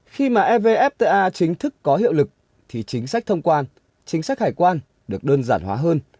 khi mà evfta chính thức có hiệu lực thì chính sách thông quan chính sách hải quan được đơn giản hóa hơn